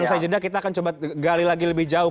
ustaz jeddah kita akan coba gali lagi lebih jauh